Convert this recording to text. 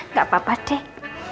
gak apa apa deh